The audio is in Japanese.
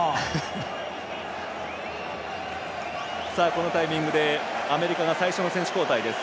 このタイミングでアメリカが最初の選手交代。